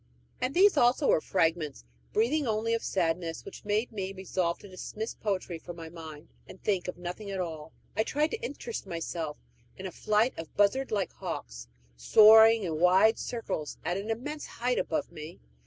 And these also were fragments, breathing only of sadness, which made me resolve to dismiss poetry from my mind and think of nothing at all. I tried to interest myself in a flight of buzzard like hawks, soaring in wide circles at an immense height above me.